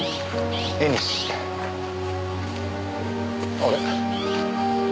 あれ？